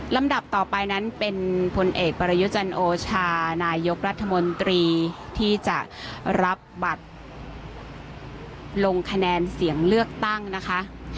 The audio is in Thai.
ดับต่อไปนั้นเป็นพลเอกประยุจันโอชานายกรัฐมนตรีที่จะรับบัตรลงคะแนนเสียงเลือกตั้งนะคะ